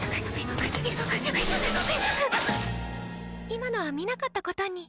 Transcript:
今のは見なかったことに。